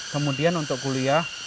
kemudian untuk kuliah